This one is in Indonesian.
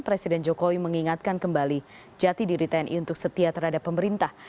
presiden jokowi mengingatkan kembali jati diri tni untuk setia terhadap pemerintah